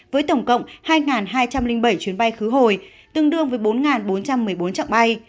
với tổng cộng hai hai trăm linh bảy chuyến bay khứ hồi tương đương với bốn bốn trăm một mươi bốn trạng bay